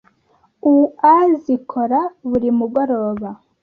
uazikora na buri mugoroba